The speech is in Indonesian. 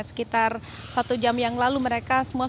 sekitar satu jam yang lalu mereka semua